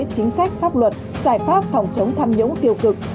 chính sách pháp luật giải pháp phòng chống tham nhũng tiêu cực